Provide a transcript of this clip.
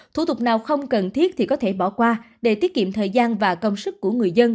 thủ tục nào không cần thiết thì có thể bỏ qua để tiết kiệm thời gian và công sức của người dân